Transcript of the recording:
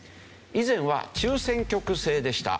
以前は中選挙区制でした。